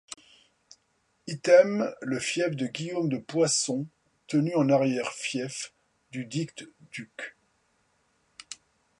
Item le fief de Guillaume de Poissons tenu en arrière-fief dudict duc.